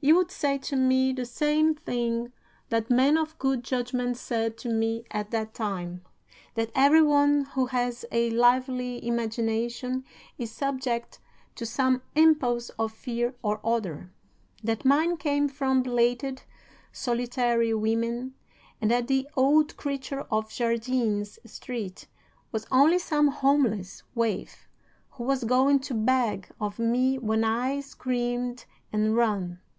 You would say to me the same thing that men of good judgment said to me at that time: that every one who has a lively imagination is subject to some impulse of fear or other; that mine came from belated, solitary women, and that the old creature of Jardines Street was only some homeless waif who was going to beg of me when I screamed and ran.